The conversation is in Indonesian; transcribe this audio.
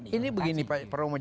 ini yang penting